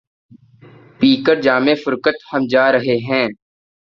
پی کر جام فرقت ہم جا رہے ہیں